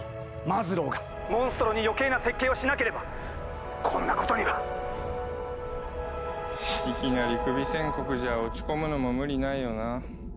マズローがモンストロに余計な設計をしなければこんなことには！いきなりクビ宣告じゃ落ち込むのも無理ないよな。